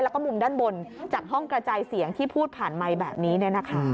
แล้วก็มุมด้านบนจากห้องกระจายเสียงที่พูดผ่านไมค์แบบนี้